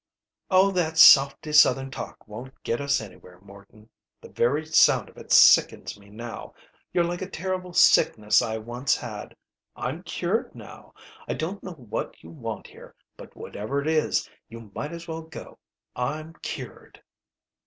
"Oh, that softy Southern talk won't get us anywhere, Morton. The very sound of it sickens me now. You're like a terrible sickness I once had. I'm cured now. I don't know what you want here, but whatever it is you might as well go. I'm cured!"